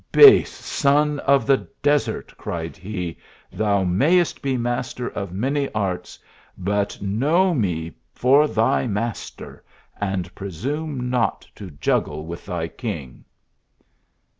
" Base son of the desert," cried he, "thou mayest be master of many arts, but 128 THE ALIIAMBRA. know me for thy master and presume not to juggle with thy king."